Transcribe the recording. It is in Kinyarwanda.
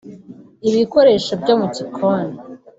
ibikoresho byo mu gikoni